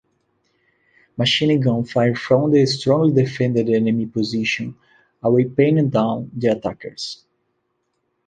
Machinegun fire from the strongly defended enemy position away pinned down the attackers.